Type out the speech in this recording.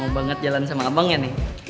mau banget jalan sama abang ya nih